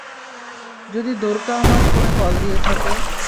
যদি দ্বোরকা আমার ফোনে কল দিয়ে থাকে।